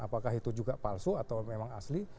apakah itu juga palsu atau memang asli